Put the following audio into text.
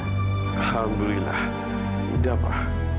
alhamdulillah sudah pak